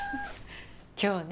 今日ね